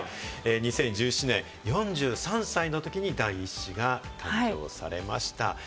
２０１７年、４３歳のときに第１子が誕生されました。